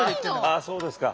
ああそうですか。